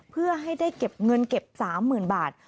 เพื่อให้ได้เก็บเงินเก็บ๓๐๐๐บาท